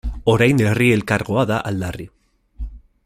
Orain Herri Elkargoa da aldarri.